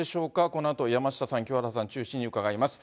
このあと、山下さん、清原さん中心に伺います。